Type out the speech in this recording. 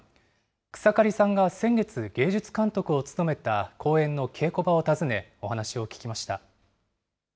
草刈さんが先月、芸術監督を務めた公演の稽古場を訪ね、お話を聞きました。